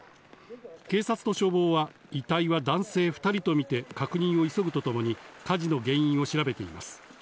警察と消防は遺体は男性２人とみて確認を急ぐとともに火事の原因を調べています。